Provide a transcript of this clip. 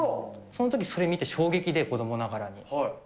そのとき、それ見て衝撃で、子どもながらに。